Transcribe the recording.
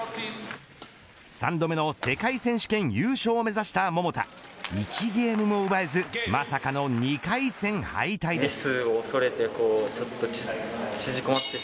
３度目の世界選手権優勝を目指した桃田１ゲームも奪えずまさかの２回戦敗退です。